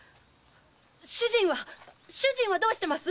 主人はっ⁉主人はどうしてます？